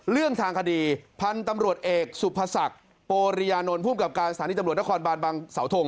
เรื่องทางคดีพันธุ์ตำรวจเอกสุภศักดิ์โปรริยานนท์ภูมิกับการสถานีตำรวจนครบานบางเสาทง